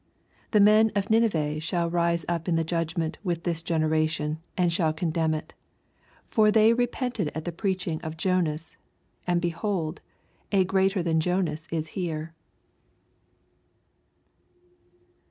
32 The men of Nineve shall rise up in the judgment with this genera tion, and shall condemn it : lor they repented at the preaching of Jonas : and, behold, a greater than Jonas U here.